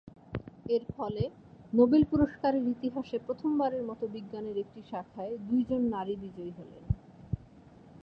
এর ফলে নোবেল পুরস্কারের ইতিহাসে প্রথমবারের মতো বিজ্ঞানের একটি শাখায় দুইজন নারী বিজয়ী হলেন।